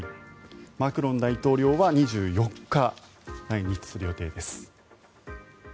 マクロン大統領は２４日、来日する予定です。